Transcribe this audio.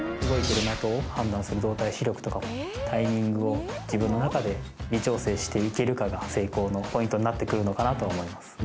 動いてる的を判断する動体視力とかもタイミングを自分の中で微調整していけるかが成功のポイントになってくるのかなと思います